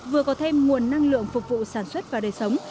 vừa có thêm nguồn năng lượng phục vụ sản xuất và đời sống